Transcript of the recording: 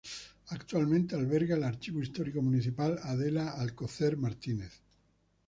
Actualmente alberga el Archivo Histórico Municipal "Adela Alcocer Martínez.